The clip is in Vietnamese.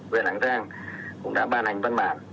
về lạng giang cũng đã ban hành văn bản